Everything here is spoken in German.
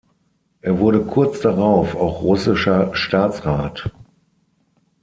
Er wurde kurz darauf auch russischer Staatsrat.